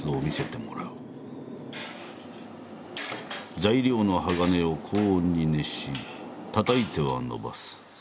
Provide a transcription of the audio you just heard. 材料の鋼を高温に熱したたいてはのばす。